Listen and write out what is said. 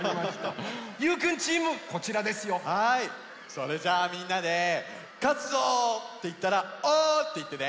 それじゃあみんなで「かつぞ！」っていったら「オー！」っていってね。